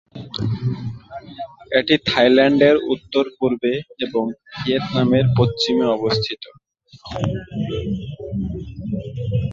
এটি থাইল্যান্ডের উত্তর-পূর্বে এবং ভিয়েতনামের পশ্চিমে অবস্থিত।